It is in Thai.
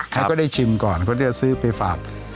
เขาก็ได้ชิมก่อนเขาจะซื้อไปฝาก